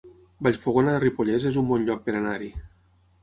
Vallfogona de Ripollès es un bon lloc per anar-hi